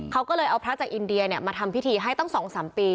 เขาก็เลยเอาพระจากอินเดียมาทำพิธีให้ตั้ง๒๓ปี